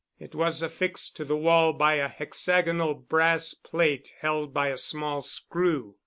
It was affixed to the wall by a hexagonal brass plate held by a small screw.